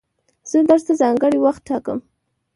زه درس ته ځانګړی وخت ټاکم.